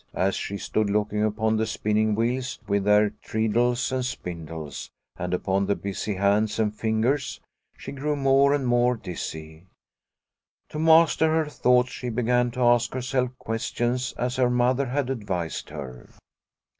As she stood looking upon the spinning wheels with their treadles and spindles, and upon the busy hands and fingers, she grew more and more dizzy. To master her thoughts she began to ask herself questions as her Mother had advised her.